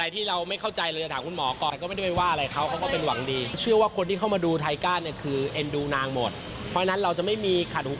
แต่แค่อ่านแล้วขำแค่นั้นเอง